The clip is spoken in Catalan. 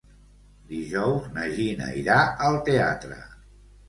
Dijous na Gina irà al teatre.